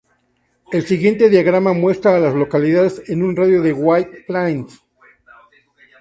El siguiente diagrama muestra a las localidades en un radio de de White Plains.